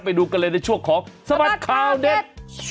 ไปดูกันเลยในช่วงของสบัดข่าวเด็ด